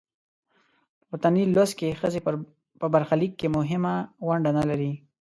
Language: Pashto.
په پورتني لوست کې ښځې په برخلیک کې مهمه نډه لري.